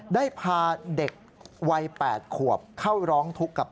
ได้พาเด็กวัย๘ขวบเข้าร้องทุกข์กับ